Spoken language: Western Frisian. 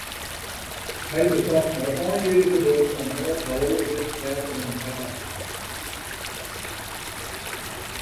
Hy besocht mei einleas geduld in âld horloazje wer oan 'e praat te krijen.